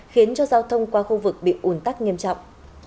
khiến cho giao thông qua khu vực bị ủn tắc nghiêm trọng